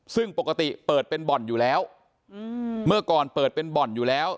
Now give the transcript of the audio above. ซึ่งปกติเปิดเป็นบ่อนอยู่แล้วเมื่อก่อนเปิดเป็นบ่อนอยู่แล้ว